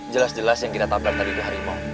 jelas jelas yang kita tabrak tadi itu hari mau